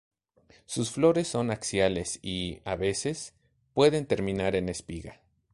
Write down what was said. Sus flores son axiales y, a veces, pueden terminar en espiga.